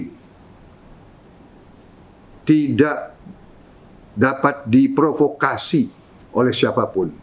dan tidak dapat diprovokasi oleh siapapun